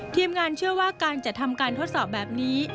ทีมงานเชื่อว่าการจัดทำการทดสอบแบบนี้